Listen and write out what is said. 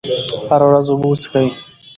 هره ورځ اوبه وڅښئ.